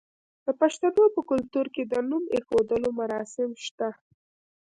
د پښتنو په کلتور کې د نوم ایښودلو مراسم شته.